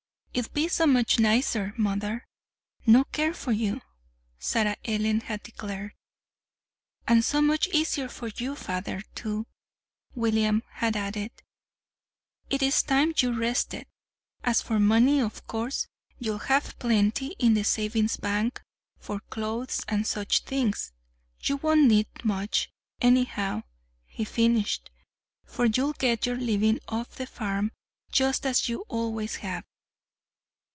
"It'll be so much nicer, mother, no care for you!" Sarah Ellen had declared. "And so much easier for you, father, too," William had added. "It's time you rested. As for money of course you'll have plenty in the savings bank for clothes and such things. You won't need much, anyhow," he finished, "for you'll get your living off the farm just as you always have."